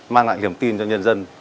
mang lại niềm tin cho nhân dân